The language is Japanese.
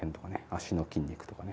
足の筋肉とかね。